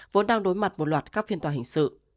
vốn đang đối mặt một loạt các phiên tòa hình sự